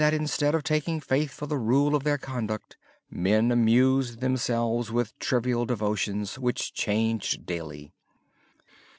Instead of taking faith for the rule of their conduct, men amused themselves with trivial devotions which changed daily.